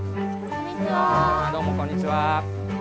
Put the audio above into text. どうもこんにちは。